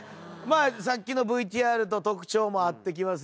さっきのＶＴＲと特徴も合ってきますよね。